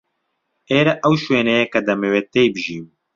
ئێرە ئەو شوێنەیە کە دەمەوێت تێی بژیم.